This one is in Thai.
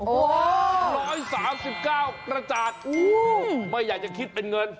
๑๓๙กระจาดไม่อยากจะคิดเป็นเงิน